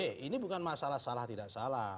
eh ini bukan masalah salah tidak salah